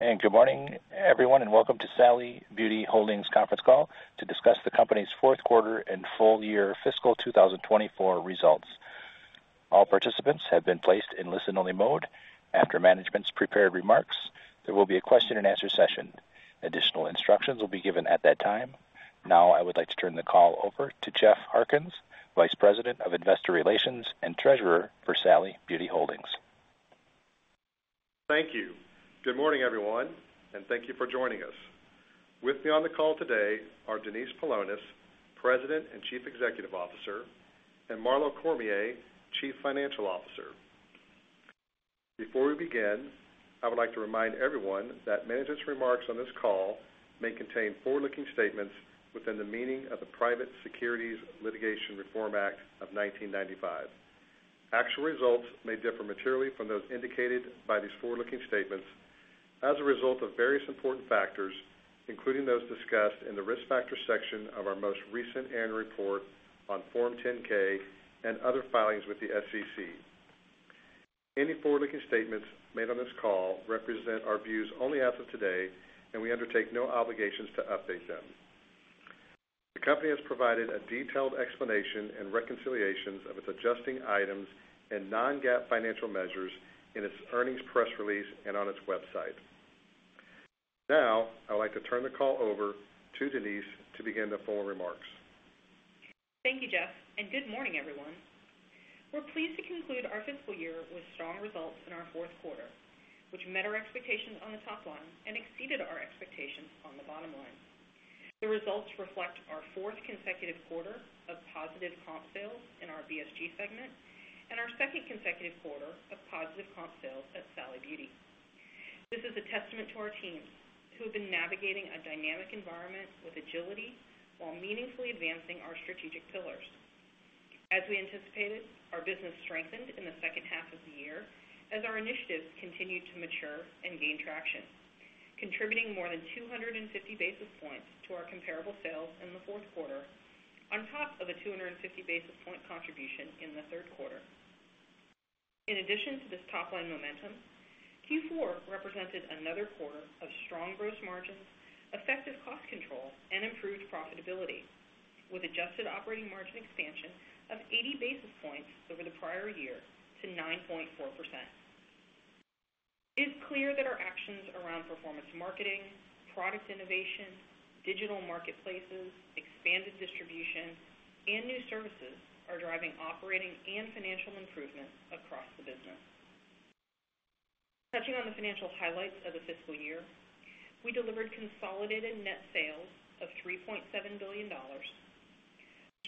Good morning, everyone, and welcome to Sally Beauty Holdings' conference call to discuss the company's fourth quarter and full year fiscal 2024, results. All participants have been placed in listen-only mode. After management's prepared remarks, there will be a question-and-answer session. Additional instructions will be given at that time. Now, I would like to turn the call over to Jeff Harkins, Vice President of Investor Relations and Treasurer for Sally Beauty Holdings. Thank you. Good morning, everyone, and thank you for joining us. With me on the call today are Denise Paulonis, President and Chief Executive Officer, and Marlo Cormier, Chief Financial Officer. Before we begin, I would like to remind everyone that management's remarks on this call may contain forward-looking statements within the meaning of the Private Securities Litigation Reform Act of 1995. Actual results may differ materially from those indicated by these forward-looking statements as a result of various important factors, including those discussed in the risk factor section of our most recent annual report on Form 10-K and other filings with the SEC. Any forward-looking statements made on this call represent our views only as of today, and we undertake no obligations to update them. The company has provided a detailed explanation and reconciliations of its adjusting items and non-GAAP financial measures in its earnings press release and on its website. Now, I would like to turn the call over to Denise to begin the formal remarks. Thank you, Jeff, and good morning, everyone. We're pleased to conclude our fiscal year with strong results in our fourth quarter, which met our expectations on the top line and exceeded our expectations on the bottom line. The results reflect our fourth consecutive quarter of positive comp sales in our BSG segment and our second consecutive quarter of positive comp sales at Sally Beauty. This is a testament to our teams who have been navigating a dynamic environment with agility while meaningfully advancing our strategic pillars. As we anticipated, our business strengthened in the second half of the year as our initiatives continued to mature and gain traction, contributing more than 250 basis points to our comparable sales in the fourth quarter, on top of a 250 basis point contribution in the third quarter. In addition to this top-line momentum, Q4 represented another quarter of strong gross margins, effective cost control, and improved profitability, with adjusted operating margin expansion of 80 basis points over the prior year to 9.4%. It's clear that our actions around performance marketing, product innovation, digital marketplaces, expanded distribution, and new services are driving operating and financial improvement across the business. Touching on the financial highlights of the fiscal year, we delivered consolidated net sales of $3.7 billion,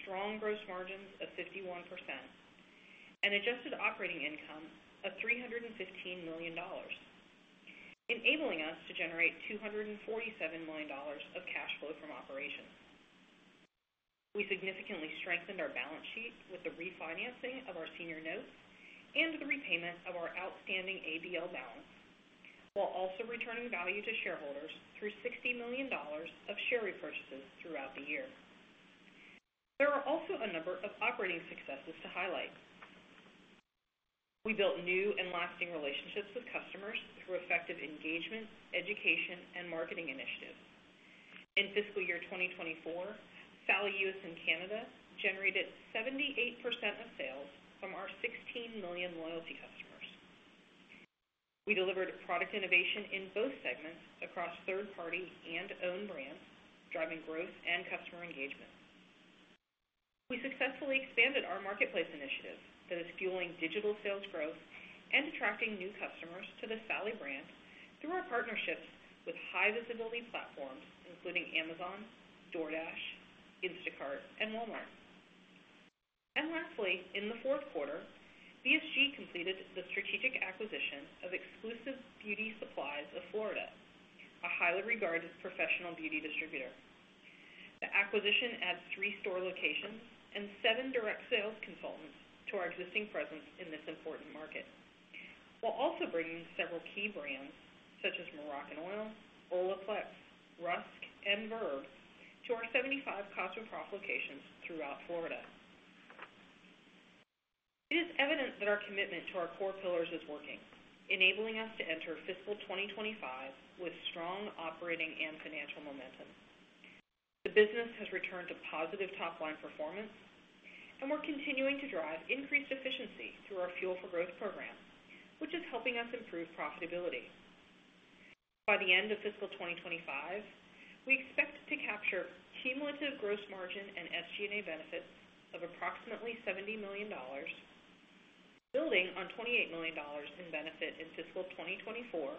strong gross margins of 51%, and adjusted operating income of $315 million, enabling us to generate $247 million of cash flow from operations. We significantly strengthened our balance sheet with the refinancing of our senior notes and the repayment of our outstanding ABL balance, while also returning value to shareholders through $60 million of share repurchases throughout the year. There are also a number of operating successes to highlight. We built new and lasting relationships with customers through effective engagement, education, and marketing initiatives. In fiscal year 2024, Sally U.S. and Canada generated 78% of sales from our 16 million loyalty customers. We delivered product innovation in both segments across third-party and owned brands, driving growth and customer engagement. We successfully expanded our marketplace initiative that is fueling digital sales growth and attracting new customers to the Sally brand through our partnerships with high-visibility platforms, including Amazon, DoorDash, Instacart, and Walmart. And lastly, in the fourth quarter, BSG completed the strategic acquisition of Exclusive Beauty Supplies of Florida, a highly regarded professional beauty distributor. The acquisition adds three store locations and seven direct sales consultants to our existing presence in this important market, while also bringing several key brands such as Moroccanoil, Olaplex, Rusk, and Verb to our 75 CosmoProf locations throughout Florida. It is evident that our commitment to our core pillars is working, enabling us to enter fiscal 2025 with strong operating and financial momentum. The business has returned to positive top-line performance, and we're continuing to drive increased efficiency through our Fuel for Growth program, which is helping us improve profitability. By the end of fiscal 2025, we expect to capture cumulative gross margin and SG&A benefits of approximately $70 million, building on $28 million in benefit in fiscal 2024,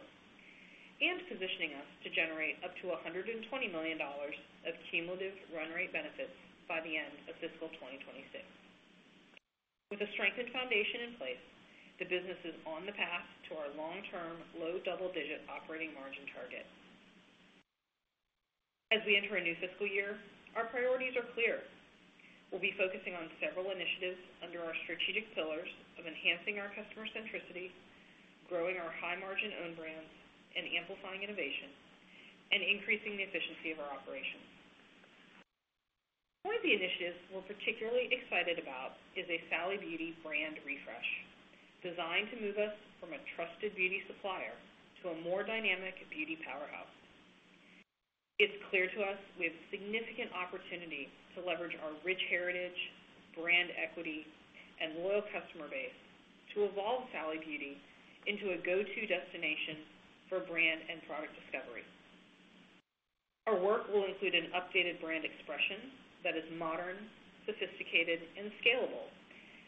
and positioning us to generate up to $120 million of cumulative run rate benefits by the end of fiscal 2026. With a strengthened foundation in place, the business is on the path to our long-term low double-digit operating margin target. As we enter a new fiscal year, our priorities are clear. We'll be focusing on several initiatives under our strategic pillars of enhancing our customer centricity, growing our high-margin owned brands, and amplifying innovation, and increasing the efficiency of our operations. One of the initiatives we're particularly excited about is a Sally Beauty brand refresh designed to move us from a trusted beauty supplier to a more dynamic beauty powerhouse. It's clear to us we have significant opportunity to leverage our rich heritage, brand equity, and loyal customer base to evolve Sally Beauty into a go-to destination for brand and product discovery. Our work will include an updated brand expression that is modern, sophisticated, and scalable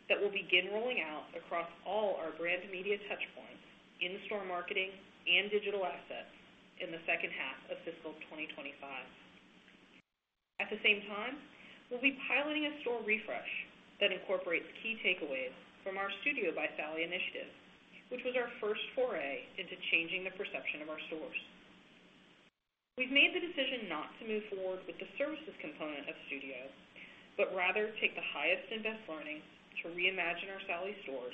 that will begin rolling out across all our brand media touchpoints in store marketing and digital assets in the second half of fiscal 2025. At the same time, we'll be piloting a store refresh that incorporates key takeaways from our Studio by Sally initiative, which was our first foray into changing the perception of our stores. We've made the decision not to move forward with the services component of Studio, but rather take the highest and best learning to reimagine our Sally stores,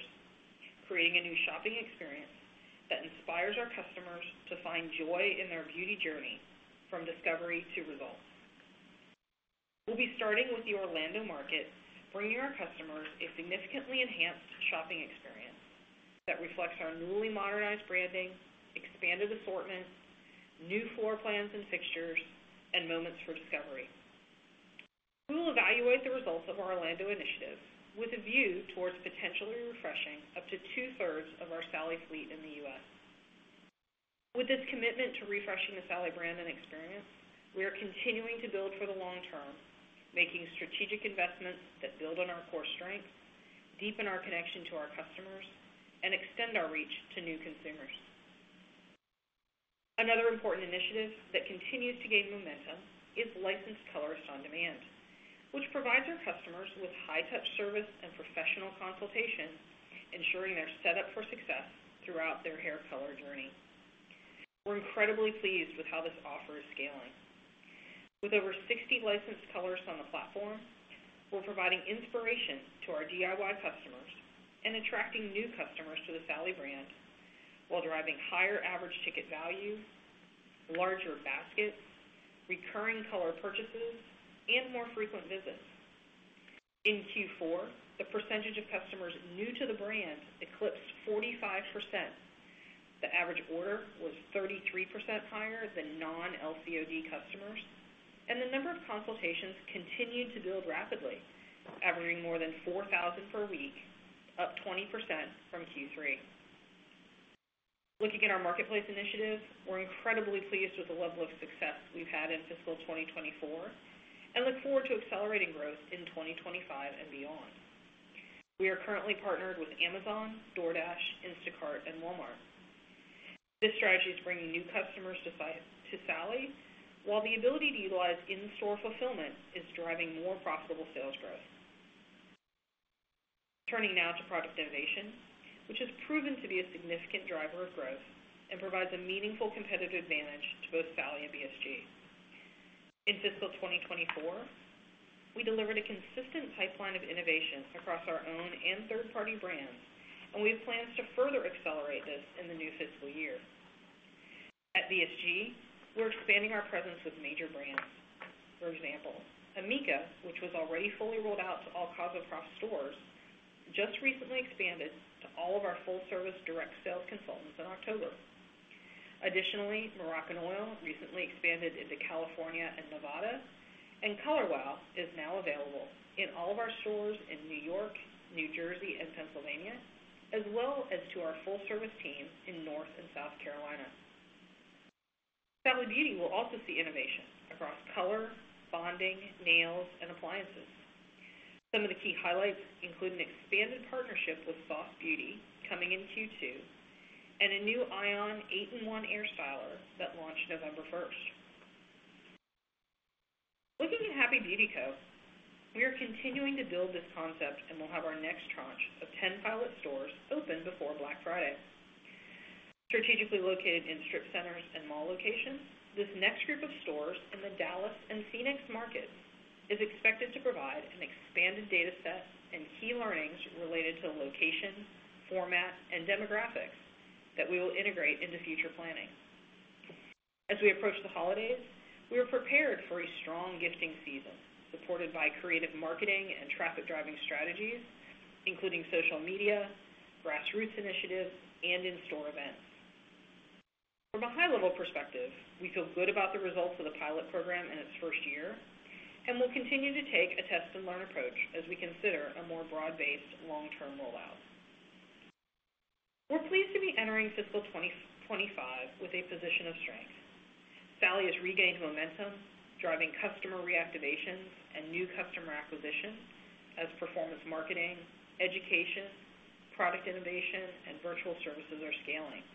creating a new shopping experience that inspires our customers to find joy in their beauty journey from discovery to results. We'll be starting with the Orlando market, bringing our customers a significantly enhanced shopping experience that reflects our newly modernized branding, expanded assortment, new floor plans and fixtures, and moments for discovery. We will evaluate the results of our Orlando initiative with a view towards potentially refreshing up to two-thirds of our Sally fleet in the U.S. With this commitment to refreshing the Sally brand and experience, we are continuing to build for the long term, making strategic investments that build on our core strengths, deepen our connection to our customers, and extend our reach to new consumers. Another important initiative that continues to gain momentum is Licensed Color on Demand, which provides our customers with high-touch service and professional consultation, ensuring they're set up for success throughout their hair color journey. We're incredibly pleased with how this offer is scaling. With over 60 licensed colors on the platform, we're providing inspiration to our DIY customers and attracting new customers to the Sally brand while driving higher average ticket value, larger baskets, recurring color purchases, and more frequent visits. In Q4, the percentage of customers new to the brand eclipsed 45%. The average order was 33% higher than non-LCOD customers, and the number of consultations continued to build rapidly, averaging more than 4,000 per week, up 20% from Q3. Looking at our marketplace initiatives, we're incredibly pleased with the level of success we've had in fiscal 2024 and look forward to accelerating growth in 2025 and beyond. We are currently partnered with Amazon, DoorDash, Instacart, and Walmart. This strategy is bringing new customers to Sally, while the ability to utilize in-store fulfillment is driving more profitable sales growth. Turning now to product innovation, which has proven to be a significant driver of growth and provides a meaningful competitive advantage to both Sally and BSG. In fiscal 2024, we delivered a consistent pipeline of innovation across our own and third-party brands, and we have plans to further accelerate this in the new fiscal year. At BSG, we're expanding our presence with major brands. For example, amika, which was already fully rolled out to all CosmoProf stores, just recently expanded to all of our full-service direct sales consultants in October. Additionally, Moroccanoil recently expanded into California and Nevada, and Color Wow is now available in all of our stores in New York, New Jersey, and Pennsylvania, as well as to our full-service team in North and South Carolina. Sally Beauty will also see innovation across color, bonding, nails, and appliances. Some of the key highlights include an expanded partnership with Sauce Beauty coming in Q2 and a new Ion 8-in-1 hair styler that launched November 1st. Looking at Happy Beauty Co., we are continuing to build this concept and will have our next tranche of 10 pilot stores open before Black Friday. Strategically located in strip centers and mall locations, this next group of stores in the Dallas and Phoenix markets is expected to provide an expanded data set and key learnings related to location, format, and demographics that we will integrate into future planning. As we approach the holidays, we are prepared for a strong gifting season supported by creative marketing and traffic-driving strategies, including social media, grassroots initiatives, and in-store events. From a high-level perspective, we feel good about the results of the pilot program in its first year, and we'll continue to take a test-and-learn approach as we consider a more broad-based long-term rollout. We're pleased to be entering fiscal 2025, with a position of strength. Sally is regaining momentum, driving customer reactivations and new customer acquisition as performance marketing, education, product innovation, and virtual services are scaling,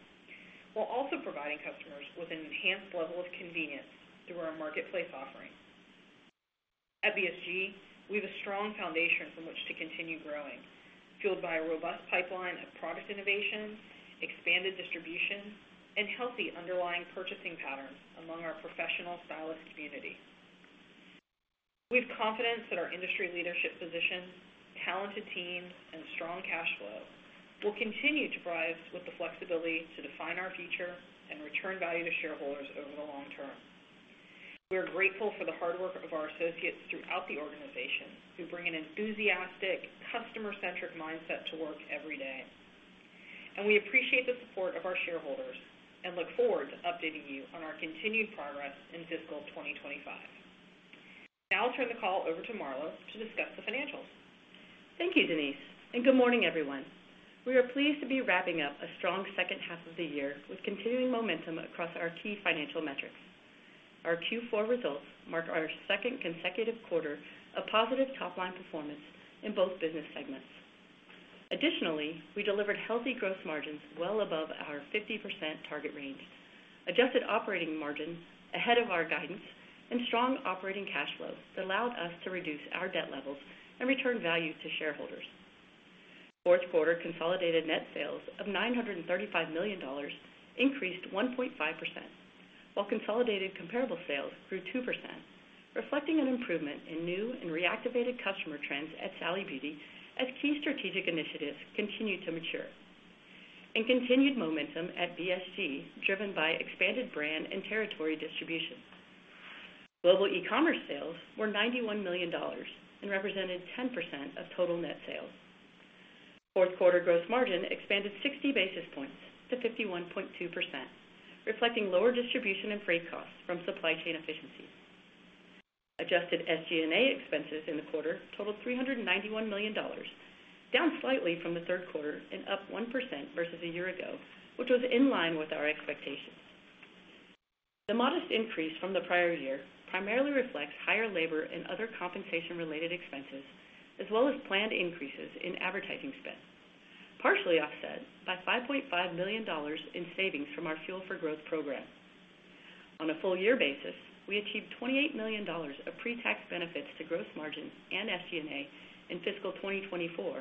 while also providing customers with an enhanced level of convenience through our marketplace offering. At BSG, we have a strong foundation from which to continue growing, fueled by a robust pipeline of product innovation, expanded distribution, and healthy underlying purchasing patterns among our professional stylist community. We have confidence that our industry leadership position, talented teams, and strong cash flow will continue to thrive with the flexibility to define our future and return value to shareholders over the long term. We are grateful for the hard work of our associates throughout the organization who bring an enthusiastic, customer-centric mindset to work every day, and we appreciate the support of our shareholders and look forward to updating you on our continued progress in fiscal 2025. Now I'll turn the call over to Marlo to discuss the financials. Thank you, Denise, and good morning, everyone. We are pleased to be wrapping up a strong second half of the year with continuing momentum across our key financial metrics. Our Q4 results mark our second consecutive quarter of positive top-line performance in both business segments. Additionally, we delivered healthy gross margins well above our 50% target range, adjusted operating margin ahead of our guidance, and strong operating cash flow that allowed us to reduce our debt levels and return value to shareholders. Fourth quarter consolidated net sales of $935 million increased 1.5%, while consolidated comparable sales grew 2%, reflecting an improvement in new and reactivated customer trends at Sally Beauty as key strategic initiatives continue to mature, and continued momentum at BSG driven by expanded brand and territory distribution. Global e-commerce sales were $91 million and represented 10% of total net sales. Fourth quarter gross margin expanded 60 basis points to 51.2%, reflecting lower distribution and freight costs from supply chain efficiencies. Adjusted SG&A expenses in the quarter totaled $391 million, down slightly from the third quarter and up 1% versus a year ago, which was in line with our expectations. The modest increase from the prior year primarily reflects higher labor and other compensation-related expenses, as well as planned increases in advertising spend, partially offset by $5.5 million in savings from our Fuel for Growth program. On a full-year basis, we achieved $28 million of pre-tax benefits to gross margin and SG&A in fiscal 2024,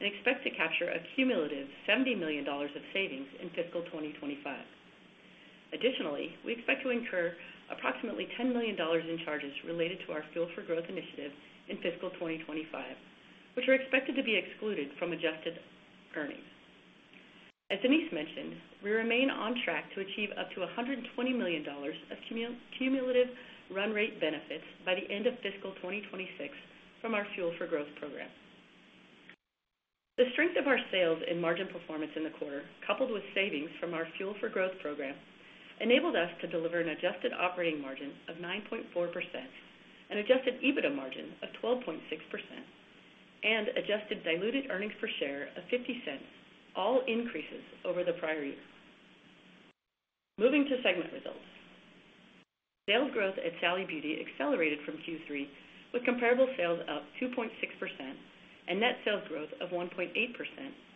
and expect to capture a cumulative $70 million of savings in fiscal 2025. Additionally, we expect to incur approximately $10 million in charges related to our Fuel for Growth initiative in fiscal 2025, which are expected to be excluded from adjusted earnings. As Denise mentioned, we remain on track to achieve up to $120 million of cumulative run rate benefits by the end of fiscal 2026, from our Fuel for Growth program. The strength of our sales and margin performance in the quarter, coupled with savings from our Fuel for Growth program, enabled us to deliver an adjusted operating margin of 9.4%, an adjusted EBITDA margin of 12.6%, and adjusted diluted earnings per share of $0.50, all increases over the prior year. Moving to segment results. Sales growth at Sally Beauty accelerated from Q3, with comparable sales up 2.6% and net sales growth of 1.8%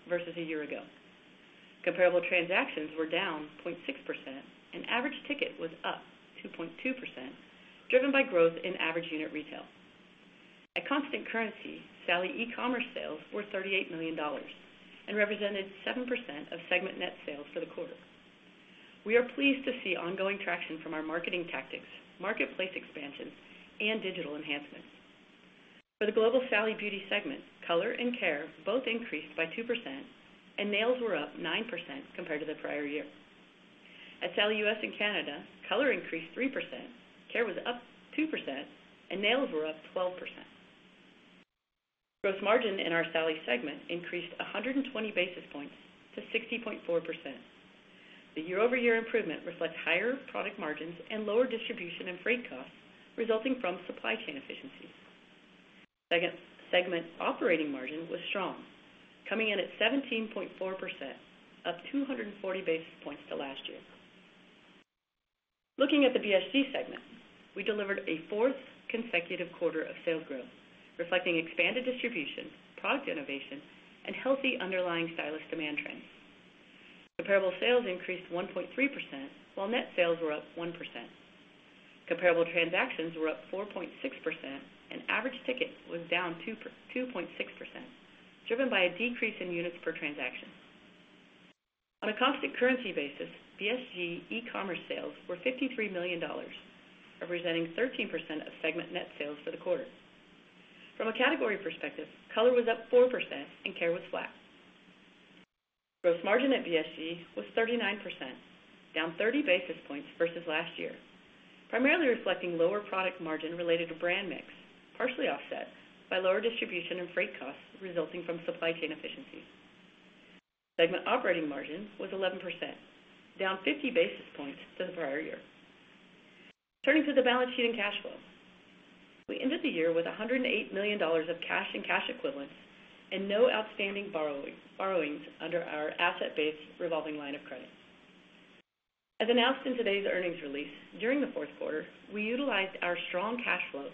versus a year ago. Comparable transactions were down 0.6%, and average ticket was up 2.2%, driven by growth in average unit retail. At constant currency, Sally e-commerce sales were $38 million and represented 7% of segment net sales for the quarter. We are pleased to see ongoing traction from our marketing tactics, marketplace expansion, and digital enhancements. For the global Sally Beauty segment, color and care both increased by 2%, and nails were up 9% compared to the prior year. At Sally US and Canada, color increased 3%, care was up 2%, and nails were up 12%. Gross margin in our Sally segment increased 120 basis points to 60.4%. The year-over-year improvement reflects higher product margins and lower distribution and freight costs resulting from supply chain efficiencies. Segment operating margin was strong, coming in at 17.4%, up 240 basis-points to last year. Looking at the BSG segment, we delivered a fourth consecutive quarter of sales growth, reflecting expanded distribution, product innovation, and healthy underlying stylist demand trends. Comparable sales increased 1.3%, while net sales were up 1%. Comparable transactions were up 4.6%, and average ticket was down 2.6%, driven by a decrease in units per transaction. On a constant currency basis, BSG e-commerce sales were $53 million, representing 13% of segment net sales for the quarter. From a category perspective, color was up 4%, and care was flat. Gross margin at BSG was 39%, down 30 basis points versus last year, primarily reflecting lower product margin related to brand mix, partially offset by lower distribution and freight costs resulting from supply chain efficiencies. Segment operating margin was 11%, down 50 basis points to the prior year. Turning to the balance sheet and cash flow. We ended the year with $108 million of cash and cash equivalents and no outstanding borrowings under our asset-based revolving line of credit. As announced in today's earnings release during the fourth quarter, we utilized our strong cash flow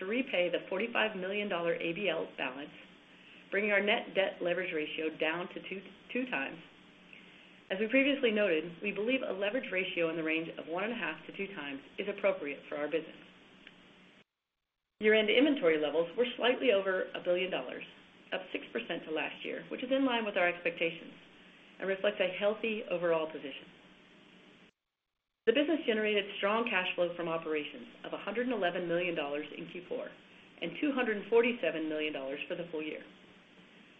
to repay the $45 million ABL balance, bringing our net debt leverage ratio down to two times. As we previously noted, we believe a leverage ratio in the range of one and a half to two times is appropriate for our business. Year-end inventory levels were slightly over a billion dollars, up 6% to last year, which is in line with our expectations and reflects a healthy overall position. The business generated strong cash flow from operations of $111 million in Q4 and $247 million for the full year.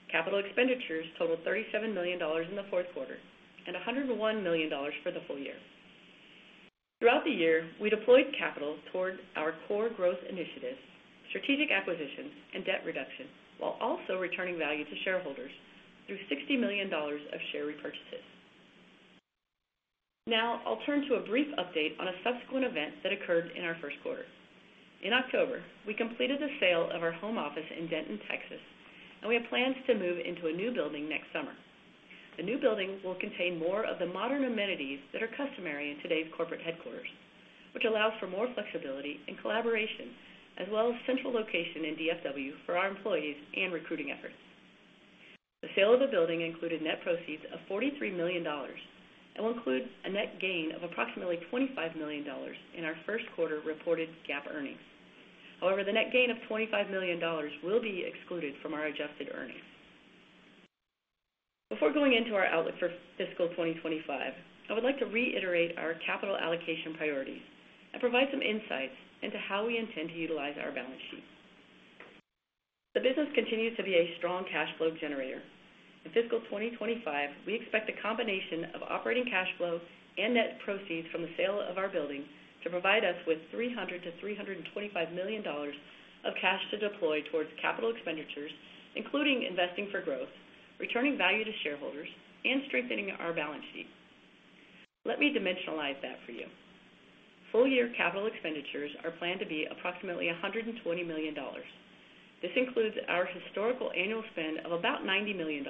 Capital expenditures totaled $37 million in the fourth quarter and $101 million for the full year. Throughout the year, we deployed capital toward our core growth initiatives, strategic acquisitions, and debt reduction, while also returning value to shareholders through $60 million of share repurchases. Now I'll turn to a brief update on a subsequent event that occurred in our first quarter. In October, we completed the sale of our home office in Denton, Texas, and we have plans to move into a new building next summer. The new building will contain more of the modern amenities that are customary in today's corporate headquarters, which allows for more flexibility and collaboration, as well as central location in DFW for our employees and recruiting efforts. The sale of the building included net proceeds of $43 million and will include a net gain of approximately $25 million in our first quarter reported GAAP earnings. However, the net gain of $25 million will be excluded from our adjusted earnings. Before going into our outlook for fiscal 2025, I would like to reiterate our capital allocation priorities and provide some insights into how we intend to utilize our balance sheet. The business continues to be a strong cash flow generator. In fiscal 2025, we expect a combination of operating cash flow and net proceeds from the sale of our building to provide us with $300-$325 million of cash to deploy towards capital expenditures, including investing for growth, returning value to shareholders, and strengthening our balance sheet. Let me dimensionalize that for you. Full-year capital expenditures are planned to be approximately $120 million. This includes our historical annual spend of about $90 million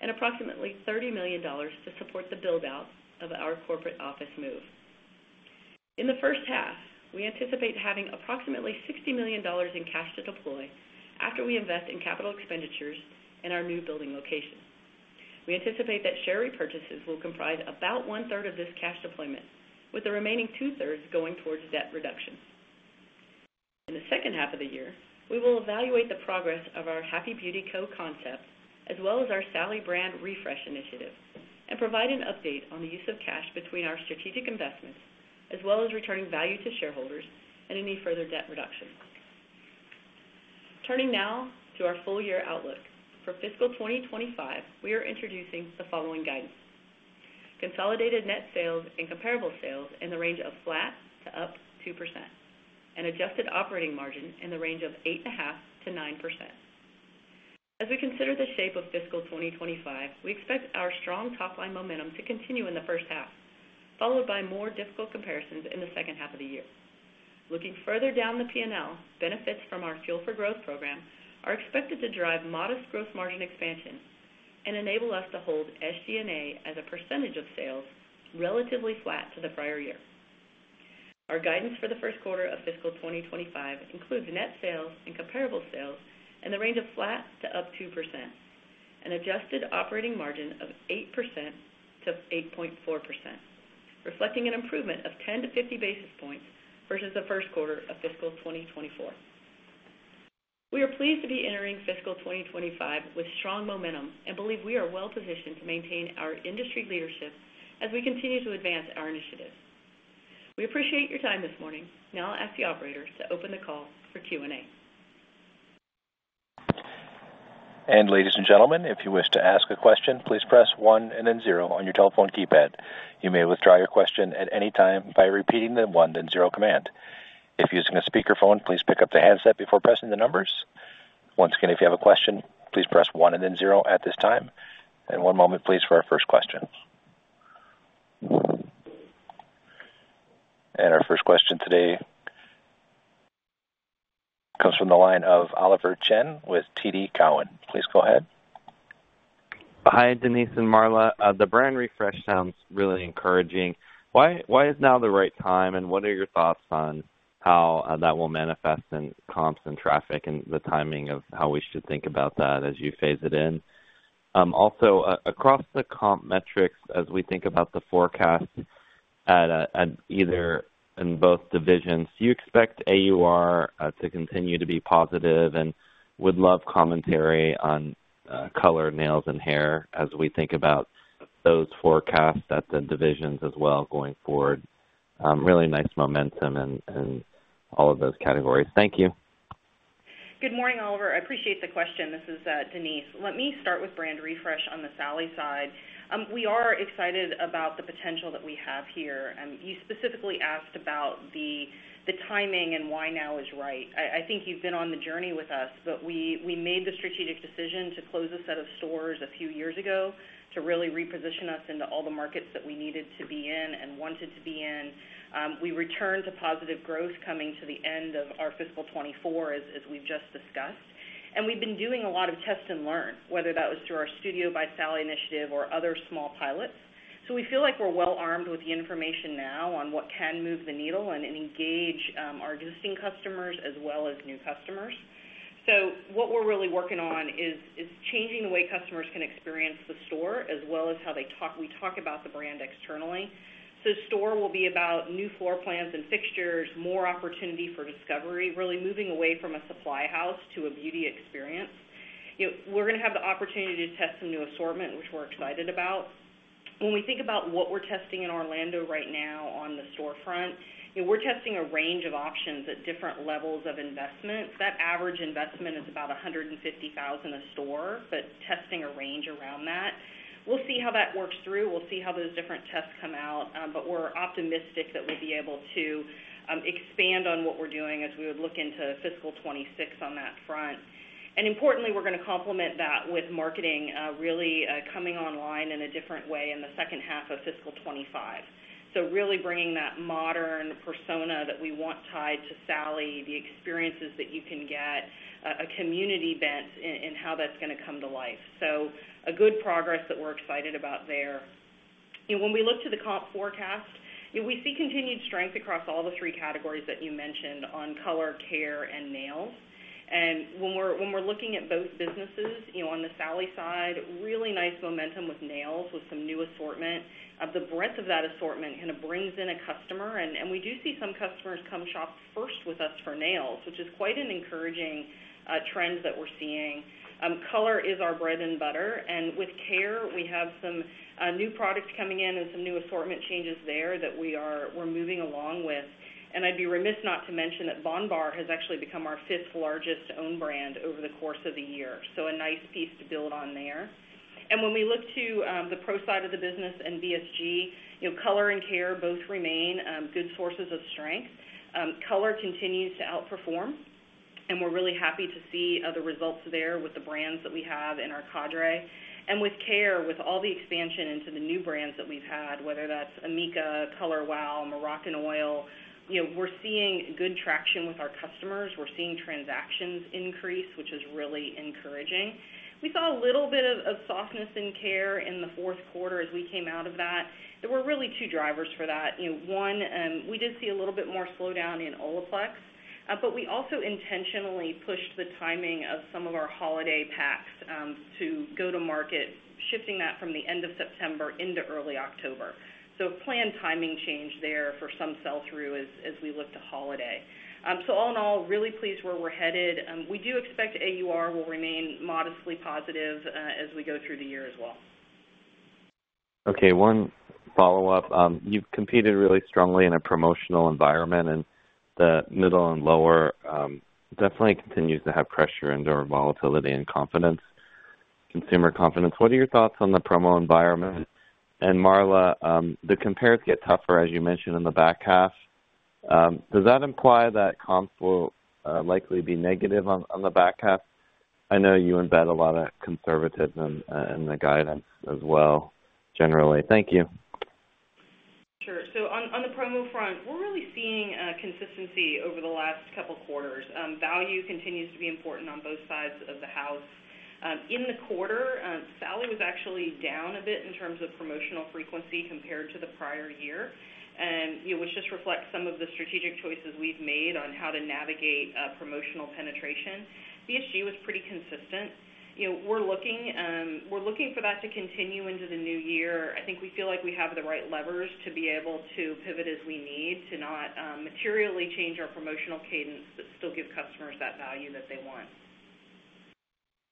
and approximately $30 million to support the build-out of our corporate office move. In the first half, we anticipate having approximately $60 million in cash to deploy after we invest in capital expenditures and our new building location. We anticipate that share repurchases will comprise about one-third of this cash deployment, with the remaining two-thirds going towards debt reduction. In the second half of the year, we will evaluate the progress of our Happy Beauty Co. concept as well as our Sally brand refresh initiative and provide an update on the use of cash between our strategic investments as well as returning value to shareholders and any further debt reduction. Turning now to our full-year outlook. For fiscal 2025, we are introducing the following guidance: consolidated net sales and comparable sales in the range of flat to up 2%, and adjusted operating margin in the range of 8.5%-9%. As we consider the shape of fiscal 2025, we expect our strong top-line momentum to continue in the first half, followed by more difficult comparisons in the second half of the year. Looking further down the P&L, benefits from our Fuel for Growth program are expected to drive modest gross margin expansion and enable us to hold SG&A as a percentage of sales relatively flat to the prior year. Our guidance for the first quarter of fiscal 2025, includes net sales and comparable sales in the range of flat to up 2%, an adjusted operating margin of 8% to 8.4%, reflecting an improvement of 10 to 50 basis points versus the first quarter of fiscal 2024. We are pleased to be entering fiscal 2025, with strong momentum and believe we are well-positioned to maintain our industry leadership as we continue to advance our initiatives. We appreciate your time this morning. Now I'll ask the operators to open the call for Q&A. And ladies and gentlemen, if you wish to ask a question, please press one and then zero on your telephone keypad. You may withdraw your question at any time by repeating the one and zero command. If using a speakerphone, please pick up the handset before pressing the numbers. Once again, if you have a question, please press one and then zero at this time. And one moment, please, for our first question. And our first question today comes from the line of Oliver Chen with TD Cowen. Please go ahead. Hi, Denise and Marlo. The brand refresh sounds really encouraging. Why is now the right time, and what are your thoughts on how that will manifest in comps and traffic and the timing of how we should think about that as you phase it in? Also, across the comp metrics, as we think about the forecast at either in both divisions, do you expect AUR to continue to be positive? And would love commentary on color, nails, and hair as we think about those forecasts at the divisions as well going forward. Really nice momentum in all of those categories. Thank you. Good morning, Oliver. I appreciate the question. This is Denise. Let me start with brand refresh on the Sally side. We are excited about the potential that we have here. You specifically asked about the timing and why now is right. I think you've been on the journey with us, but we made the strategic decision to close a set of stores a few years ago to really reposition us into all the markets that we needed to be in and wanted to be in. We returned to positive growth coming to the end of our fiscal 2024, as we've just discussed. And we've been doing a lot of test and learn, whether that was through our Studio by Sally initiative or other small pilots. So we feel like we're well armed with the information now on what can move the needle and engage our existing customers as well as new customers. So what we're really working on is changing the way customers can experience the store as well as how we talk about the brand externally. So store will be about new floor plans and fixtures, more opportunity for discovery, really moving away from a supply house to a beauty experience. We're going to have the opportunity to test some new assortment, which we're excited about. When we think about what we're testing in Orlando right now on the storefront, we're testing a range of options at different levels of investment. That average investment is about $150,000 a store, but testing a range around that. We'll see how that works through. We'll see how those different tests come out, but we're optimistic that we'll be able to expand on what we're doing as we would look into fiscal 26 on that front. And importantly, we're going to complement that with marketing really coming online in a different way in the second half of fiscal 25, so really bringing that modern persona that we want tied to Sally, the experiences that you can get, a community bent in how that's going to come to life, so a good progress that we're excited about there. When we look to the comp forecast, we see continued strength across all the three categories that you mentioned on color, care, and nails. And when we're looking at both businesses, on the Sally side, really nice momentum with nails with some new assortment. The breadth of that assortment kind of brings in a customer, and we do see some customers come shop first with us for nails, which is quite an encouraging trend that we're seeing. Color is our bread and butter. And with care, we have some new products coming in and some new assortment changes there that we're moving along with. And I'd be remiss not to mention that bondbar has actually become our fifth largest owned brand over the course of the year. So a nice piece to build on there. And when we look to the pro side of the business and BSG, color and care both remain good sources of strength. Color continues to outperform, and we're really happy to see the results there with the brands that we have in our cadre. And with care, with all the expansion into the new brands that we've had, whether that's Amika, Color Wow, Moroccanoil, we're seeing good traction with our customers. We're seeing transactions increase, which is really encouraging. We saw a little bit of softness in care in the fourth quarter as we came out of that. There were really two drivers for that. One, we did see a little bit more slowdown in Olaplex, but we also intentionally pushed the timing of some of our holiday packs to go to market, shifting that from the end of September into early October. So, planned timing change there for some sell-through as we look to holiday. So, all in all, really pleased where we're headed. We do expect AUR will remain modestly positive as we go through the year as well. Okay. One follow-up. You've competed really strongly in a promotional environment, and the middle and lower definitely continues to have pressure into our volatility and confidence, consumer confidence. What are your thoughts on the promo environment? And Marlo, the compares get tougher, as you mentioned, in the back half. Does that imply that comps will likely be negative on the back half? I know you embed a lot of conservatism in the guidance as well, generally. Thank you. Sure. So, on the promo front, we're really seeing consistency over the last couple of quarters. Value continues to be important on both sides of the house. In the quarter, Sally was actually down a bit in terms of promotional frequency compared to the prior year, which just reflects some of the strategic choices we've made on how to navigate promotional penetration. BSG was pretty consistent. We're looking for that to continue into the new year. I think we feel like we have the right levers to be able to pivot as we need to not materially change our promotional cadence, but still give customers that value that they want.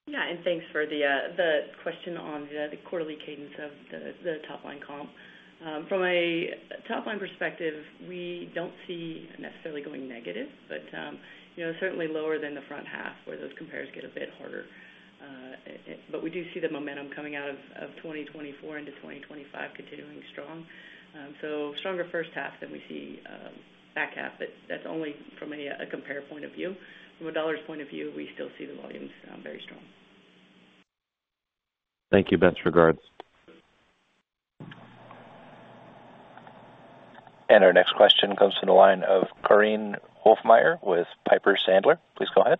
Yeah. And thanks for the question on the quarterly cadence of the top-line comp. From a top-line perspective, we don't see necessarily going negative, but certainly lower than the front half where those compares get a bit harder. But we do see the momentum coming out of 2024, into 2025, continuing strong. So stronger first half than we see back half, but that's only from a compare point of view. From a dollar's point of view, we still see the volumes very strong. Thank you. Best regards. And our next question comes from the line of Korinne Wolfmeyer with Piper Sandler. Please go ahead.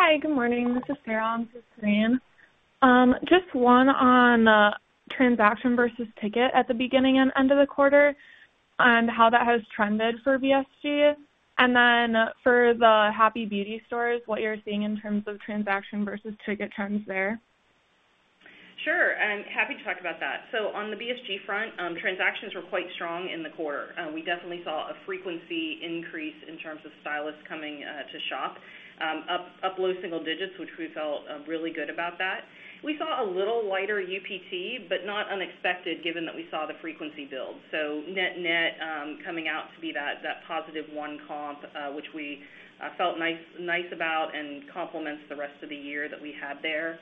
Hi. Good morning. This is Sarah. on for Korinne. Just one on transaction versus ticket at the beginning and end of the quarter and how that has trended for BSG. And then for the Happy Beauty stores, what you're seeing in terms of transaction versus ticket trends there. Sure. I'm happy to talk about that. So on the BSG front, transactions were quite strong in the quarter. We definitely saw a frequency increase in terms of stylists coming to shop, up low single digits, which we felt really good about that. We saw a little lighter UPT, but not unexpected given that we saw the frequency build, so net-net coming out to be that positive one comp, which we felt nice about and complements the rest of the year that we had there.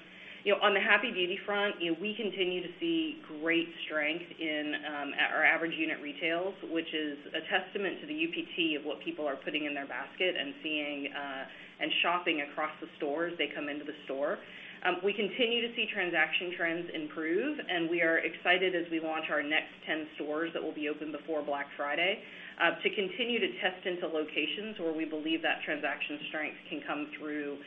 On the Happy Beauty front, we continue to see great strength in our average unit retail, which is a testament to the UPT of what people are putting in their basket and shopping across the stores they come into the store. We continue to see transaction trends improve, and we are excited as we launch our next 10 stores that will be open before Black Friday to continue to test into locations where we believe that transaction strength can come through,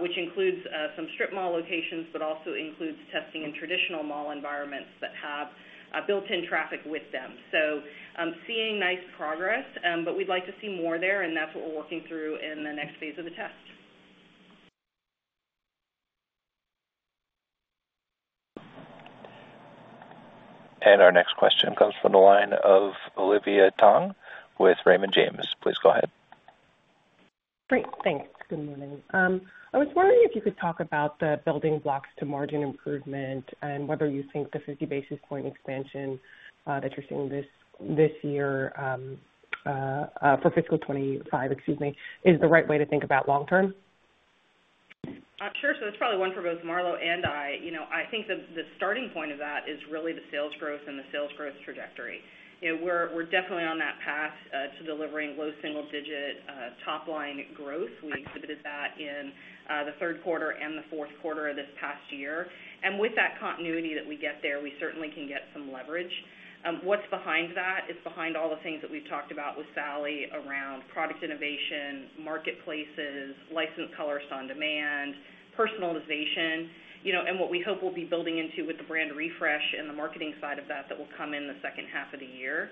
which includes some strip mall locations, but also includes testing in traditional mall environments that have built-in traffic with them. So, seeing nice progress, but we'd like to see more there, and that's what we're working through in the next phase of the test. Our next question comes from the line of Olivia Tong with Raymond James. Please go ahead. Great. Thanks. Good morning. I was wondering if you could talk about the building blocks to margin improvement and whether you think the 50 basis-points expansion that you're seeing this year for fiscal 2025, excuse me, is the right way to think about long-term. Sure. So that's probably one for both Marlo and I. I think the starting point of that is really the sales growth and the sales growth trajectory. We're definitely on that path to delivering low single-digit top-line growth. We exhibited that in the third quarter and the fourth quarter of this past year. With that continuity that we get there, we certainly can get some leverage. What's behind that is behind all the things that we've talked about with Sally around product innovation, marketplaces, licensed colors on demand, personalization, and what we hope we'll be building into with the brand refresh and the marketing side of that that will come in the second half of the year.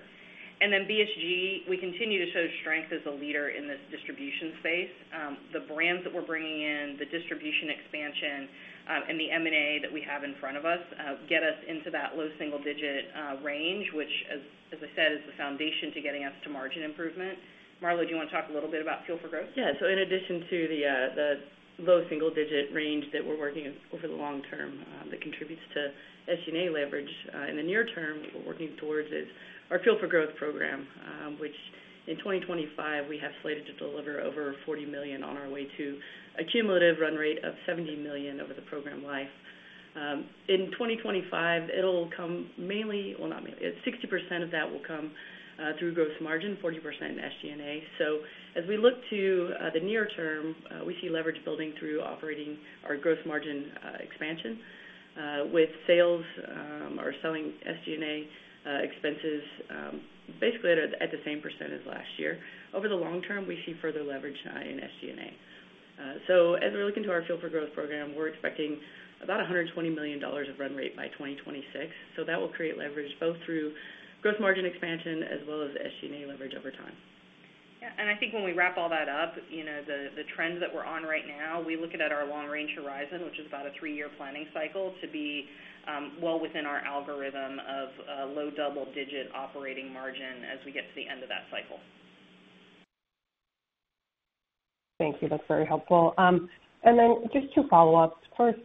And then BSG, we continue to show strength as a leader in this distribution space. The brands that we're bringing in, the distribution expansion, and the M&A that we have in front of us get us into that low single-digit range, which, as I said, is the foundation to getting us to margin improvement. Marlo, do you want to talk a little bit about Fuel for Growth? Yeah. So in addition to the low single-digit range that we're working over the long term that contributes to SG&A leverage in the near term, what we're working towards is our Fuel for Growth program, which in 2025, we have slated to deliver over $40 million on our way to a cumulative run rate of $70 million over the program life. In 2025, it'll come mainly, well, not mainly. 60% of that will come through gross margin, 40% in SG&A. So as we look to the near term, we see leverage building through operating our gross margin expansion with sales or selling SG&A expenses basically at the same % as last year. Over the long term, we see further leverage in SG&A. So as we're looking to our Fuel for Growth program, we're expecting about $120 million of run rate by 2026. So that will create leverage both through gross margin expansion as well as SG&A leverage over time. Yeah. And I think when we wrap all that up, the trend that we're on right now, we look at our long-range horizon, which is about a three-year planning cycle, to be well within our algorithm of low double-digit operating margin as we get to the end of that cycle. Thank you. That's very helpful. And then just two follow-ups. First,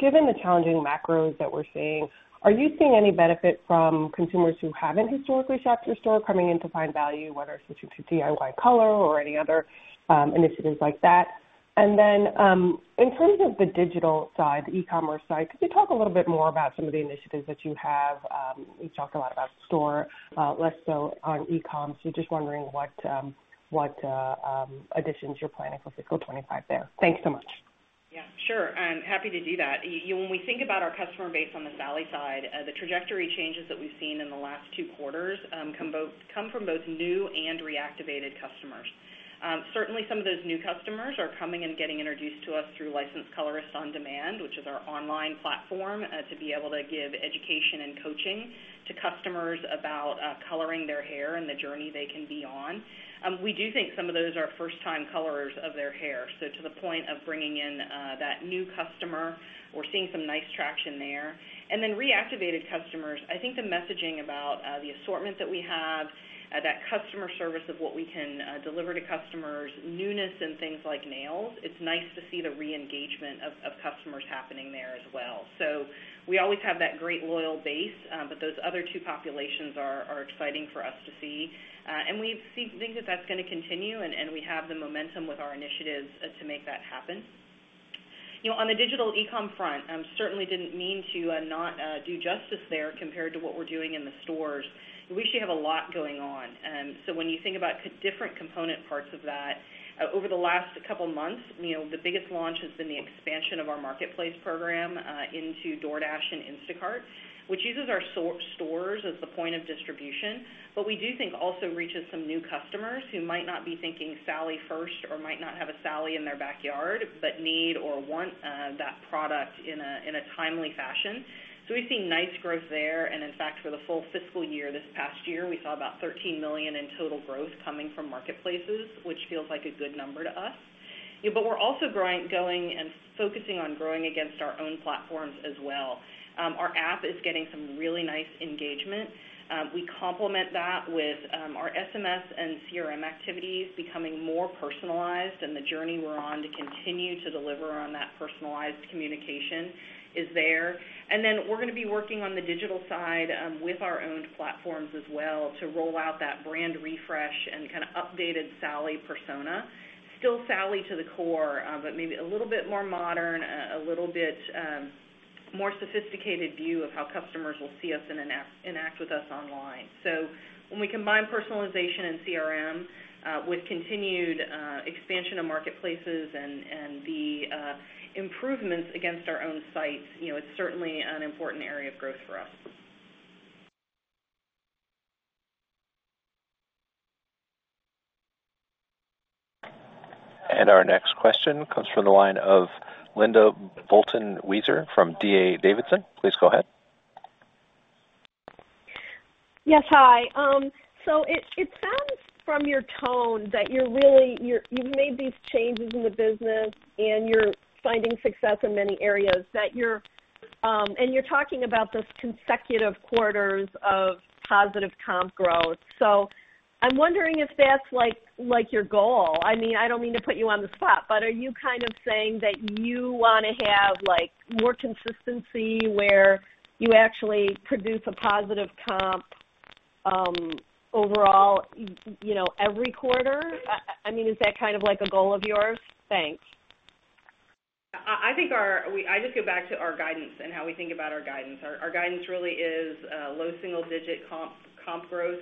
given the challenging macros that we're seeing, are you seeing any benefit from consumers who haven't historically shopped your store coming in to find value, whether it's to DIY color or any other initiatives like that? And then in terms of the digital side, the e-commerce side, could you talk a little bit more about some of the initiatives that you have? You've talked a lot about store, less so on e-commerce. We're just wondering what additions you're planning for fiscal 2025, there. Thanks so much. Yeah. Sure. And happy to do that. When we think about our customer base on the Sally side, the trajectory changes that we've seen in the last two quarters come from both new and reactivated customers. Certainly, some of those new customers are coming and getting introduced to us through Licensed Color on Demand, which is our online platform to be able to give education and coaching to customers about coloring their hair and the journey they can be on. We do think some of those are first-time colorers of their hair. So to the point of bringing in that new customer, we're seeing some nice traction there. And then reactivated customers, I think the messaging about the assortment that we have, that customer service of what we can deliver to customers, newness in things like nails. It's nice to see the re-engagement of customers happening there as well. So we always have that great loyal base, but those other two populations are exciting for us to see. And we think that that's going to continue, and we have the momentum with our initiatives to make that happen. On the digital e-com front, I certainly didn't mean to not do justice there compared to what we're doing in the stores. We should have a lot going on. So when you think about different component parts of that, over the last couple of months, the biggest launch has been the expansion of our marketplace program into DoorDash and Instacart, which uses our stores as the point of distribution, but we do think also reaches some new customers who might not be thinking Sally first or might not have a Sally in their backyard but need or want that product in a timely fashion. So we've seen nice growth there. And in fact, for the full fiscal year this past year, we saw about $13 million in total growth coming from marketplaces, which feels like a good number to us. But we're also going and focusing on growing against our own platforms as well. Our app is getting some really nice engagement. We complement that with our SMS and CRM activities becoming more personalized, and the journey we're on to continue to deliver on that personalized communication is there. And then we're going to be working on the digital side with our own platforms as well to roll out that brand refresh and kind of updated Sally persona. Still Sally to the core, but maybe a little bit more modern, a little bit more sophisticated view of how customers will see us and interact with us online. So when we combine personalization and CRM with continued expansion of marketplaces and the improvements against our own sites, it's certainly an important area of growth for us. And our next question comes from the line of Linda Bolton Weiser from D.A. Davidson. Please go ahead. Yes. Hi. So it sounds from your tone that you've made these changes in the business and you're finding success in many areas, and you're talking about those consecutive quarters of positive comp growth. So I'm wondering if that's your goal. I mean, I don't mean to put you on the spot, but are you kind of saying that you want to have more consistency where you actually produce a positive comp overall every quarter? I mean, is that kind of a goal of yours? Thanks. I think I just go back to our guidance and how we think about our guidance. Our guidance really is low single-digit comp growth,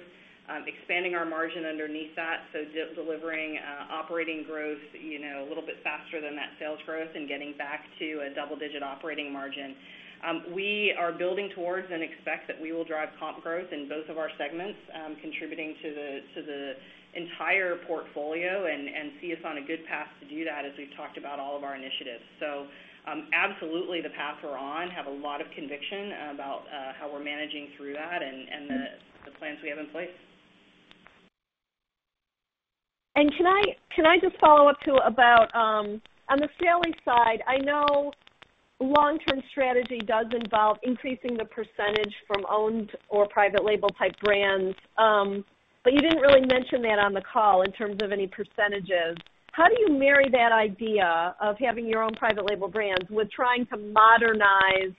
expanding our margin underneath that, so delivering operating growth a little bit faster than that sales growth and getting back to a double-digit operating margin. We are building towards and expect that we will drive comp growth in both of our segments, contributing to the entire portfolio, and see us on a good path to do that as we've talked about all of our initiatives. So, absolutely, the path we're on. Have a lot of conviction about how we're managing through that and the plans we have in place. And can I just follow up too, about on the Sally side? I know long-term strategy does involve increasing the percentage from owned or private label type brands, but you didn't really mention that on the call in terms of any percentages. How do you marry that idea of having your own private label brands with trying to modernize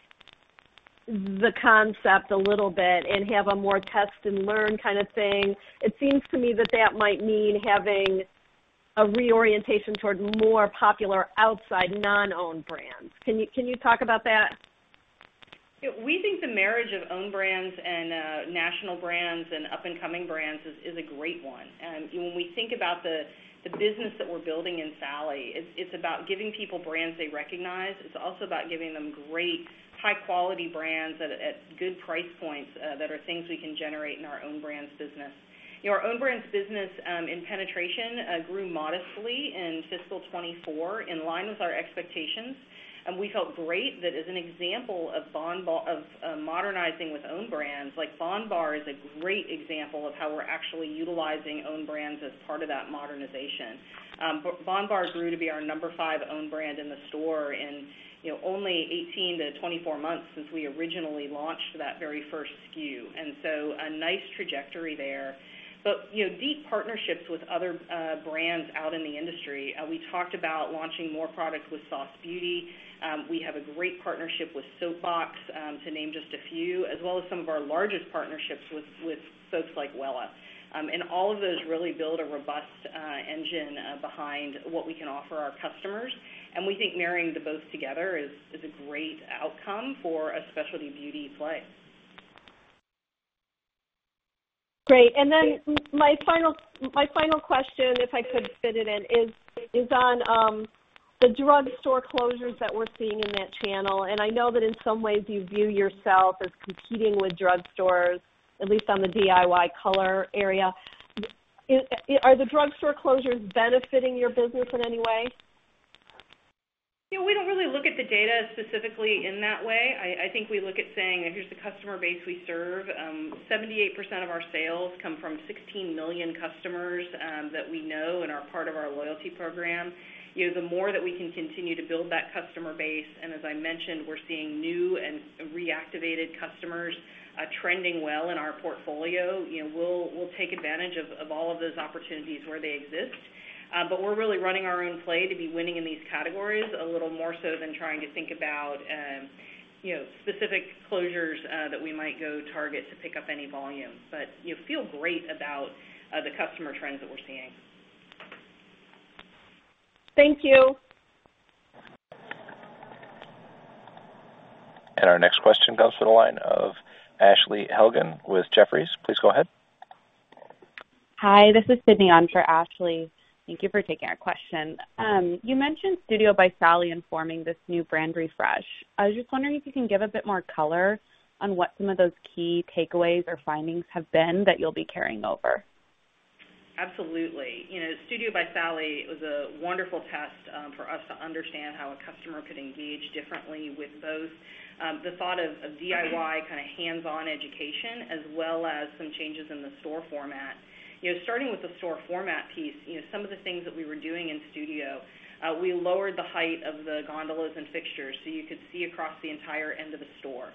the concept a little bit and have a more test-and-learn kind of thing? It seems to me that that might mean having a reorientation toward more popular outside non-owned brands. Can you talk about that? We think the marriage of owned brands and national brands and up-and-coming brands is a great one. When we think about the business that we're building in Sally, it's about giving people brands they recognize. It's also about giving them great, high-quality brands at good price points that are things we can generate in our own brands business. Our own brands business in penetration grew modestly in fiscal 2024, in line with our expectations, and we felt great that as an example of modernizing with owned brands, like Bondbar is a great example of how we're actually utilizing owned brands as part of that modernization. Bondbar grew to be our number five owned brand in the store in only 18-24 months since we originally launched that very first SKU. And so a nice trajectory there. But deep partnerships with other brands out in the industry. We talked about launching more products with Sauce Beauty. We have a great partnership with Soapbox, to name just a few, as well as some of our largest partnerships with folks like Wella. And all of those really build a robust engine behind what we can offer our customers. And we think marrying the both together is a great outcome for a specialty beauty play. Great. And then my final question, if I could fit it in, is on the drugstore closures that we're seeing in that channel. I know that in some ways you view yourself as competing with drugstores, at least on the DIY color area. Are the drugstore closures benefiting your business in any way? We don't really look at the data specifically in that way. I think we look at saying, "Here's the customer base we serve." 78% of our sales come from 16 million customers that we know and are part of our loyalty program. The more that we can continue to build that customer base, and as I mentioned, we're seeing new and reactivated customers trending well in our portfolio, we'll take advantage of all of those opportunities where they exist. But we're really running our own play to be winning in these categories a little more so than trying to think about specific closures that we might go target to pick up any volume. But feel great about the customer trends that we're seeing. Thank you. And our next question comes from the line of Ashley Helgans with Jefferies.Please go ahead. Hi. This is Sydney on for Ashley. Thank you for taking our question. You mentioned Studio by Sally informing this new brand refresh. I was just wondering if you can give a bit more color on what some of those key takeaways or findings have been that you'll be carrying over. Absolutely. Studio by Sally was a wonderful test for us to understand how a customer could engage differently with both the thought of DIY kind of hands-on education as well as some changes in the store format. Starting with the store format piece, some of the things that we were doing in Studio, we lowered the height of the gondolas and fixtures so you could see across the entire end of the store.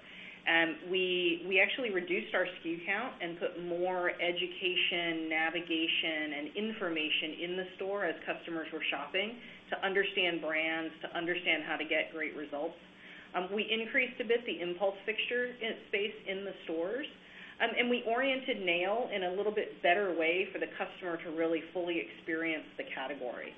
We actually reduced our SKU count and put more education, navigation, and information in the store as customers were shopping to understand brands, to understand how to get great results. We increased a bit the impulse fixture space in the stores, and we oriented nail in a little bit better way for the customer to really fully experience the category.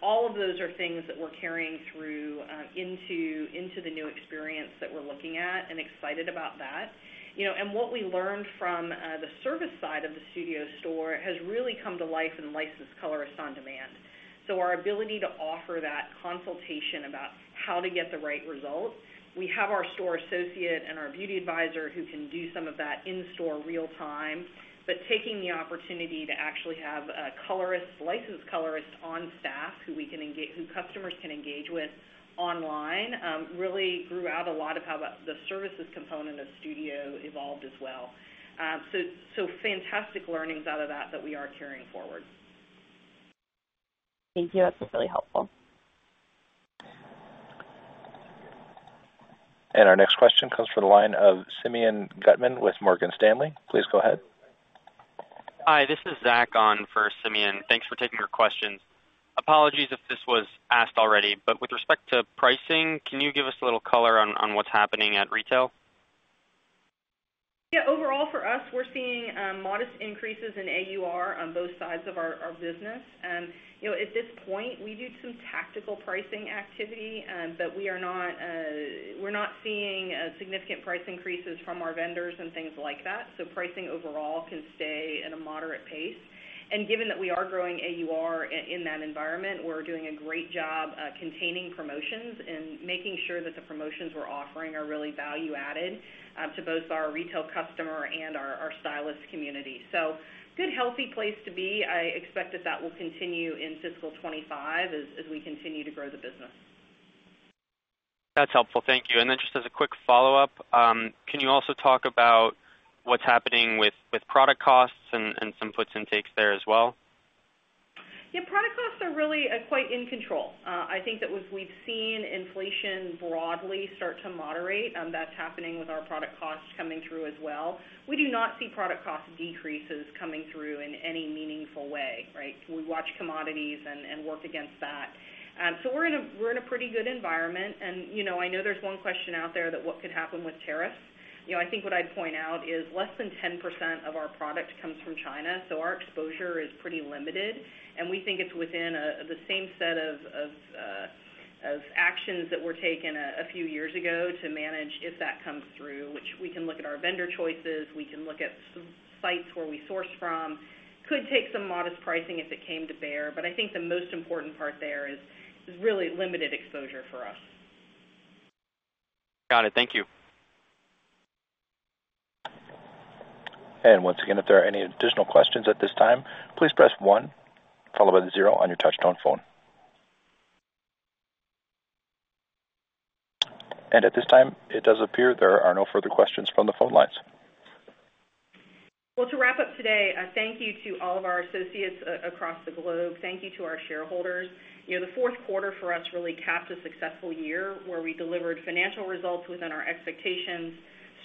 All of those are things that we're carrying through into the new experience that we're looking at and excited about that, and what we learned from the service side of the Studio store has really come to life in Licensed Color on Demand. So, our ability to offer that consultation about how to get the right result. We have our store associate and our beauty advisor who can do some of that in-store real-time, but taking the opportunity to actually have a colorist, licensed colorist on staff who customers can engage with online really grew out a lot of how the services component of Studio evolved as well. So, fantastic learnings out of that that we are carrying forward. Thank you. That's really helpful. And our next question comes from the line of Simeon Gutman with Morgan Stanley. Please go ahead. Hi. This is Zach on for Simeon. Thanks for taking our questions. Apologies if this was asked already, but with respect to pricing, can you give us a little color on what's happening at retail? Yeah. Overall, for us, we're seeing modest increases in AUR on both sides of our business. At this point, we do some tactical pricing activity, but we're not seeing significant price increases from our vendors and things like that. So pricing overall can stay at a moderate pace. And given that we are growing AUR in that environment, we're doing a great job containing promotions and making sure that the promotions we're offering are really value-added to both our retail customer and our stylist community. So good, healthy place to be. I expect that that will continue in fiscal 2025, as we continue to grow the business. That's helpful. Thank you. And then just as a quick follow-up, can you also talk about what's happening with product costs and some puts and takes there as well? Yeah. Product costs are really quite in control. I think that we've seen inflation broadly start to moderate, and that's happening with our product costs coming through as well. We do not see product cost decreases coming through in any meaningful way, right? We watch commodities and work against that. So we're in a pretty good environment. And I know there's one question out there that what could happen with tariffs. I think what I'd point out is less than 10% of our product comes from China, so our exposure is pretty limited. And we think it's within the same set of actions that were taken a few years ago to manage if that comes through, which we can look at our vendor choices. We can look at sites where we source from. Could take some modest pricing if it came to bear, but I think the most important part there is really limited exposure for us. Got it. Thank you. Once again, if there are any additional questions at this time, please press 1, followed by the 0 on your touch-tone phone. At this time, it does appear there are no further questions from the phone lines. To wrap up today, thank you to all of our associates across the globe. Thank you to our shareholders. The fourth quarter for us really capped a successful year where we delivered financial results within our expectations,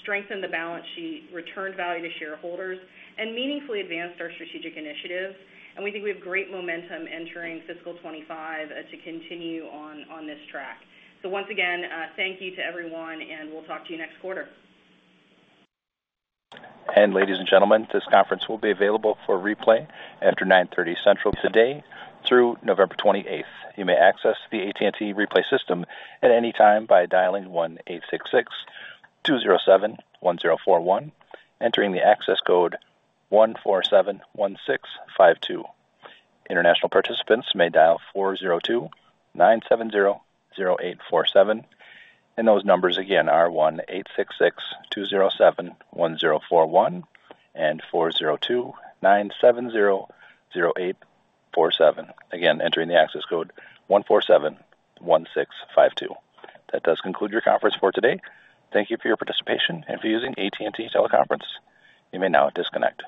strengthened the balance sheet, returned value to shareholders, and meaningfully advanced our strategic initiatives. We think we have great momentum entering fiscal 2025 to continue on this track. Once again, thank you to everyone, and we'll talk to you next quarter. Ladies and gentlemen, this conference will be available for replay after 9:30 A.M. Central today through November 28th. You may access the AT&T replay system at any time by dialing 1-866-207-1041, entering the access code 1471652. International participants may dial 402-970-0847, and those numbers again are 1-866-207-1041 and 402-970-0847. Again, entering the access code 1471652. That does conclude your conference for today. Thank you for your participation and for using AT&T Teleconference. You may now disconnect.